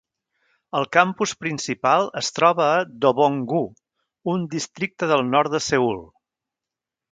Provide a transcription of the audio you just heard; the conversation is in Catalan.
El campus principal es troba a Dobong-gu, un districte del nord de Seül.